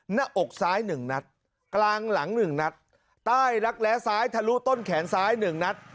หน้าอกซ้าย๑นัดกลางหลัง๑นัดใต้รักแร้ซ้ายทะลุต้นแขนซ้าย๑นัด